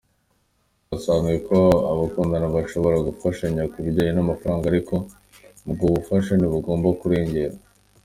Birasanzwe ko abakundana bashobora gufashanya kubijyanye n’amafaranga ariko ubwo bufasha ntibugomba kurengera.